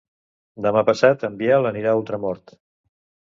Demà passat en Biel anirà a Ultramort.